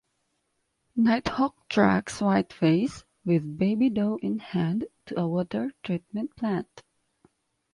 Nighthawk tracks Whiteface, with Baby Doe in hand, to a water treatment plant.